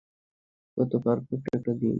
কত পারফেক্ট একটা দিন।